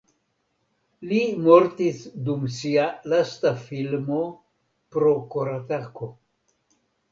Li mortis dum sia lasta filmo pro koratako.